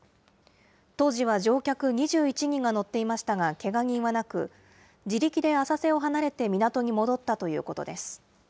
当時は乗客２１人が乗っていましたがけが人はなく、自力で浅瀬を離れて港に戻ったということです。